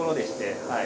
はい。